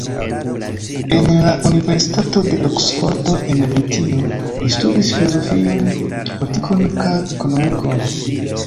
En la universitato de Oksfordo en Britio li studis filozofion, politikon kaj ekonomikon.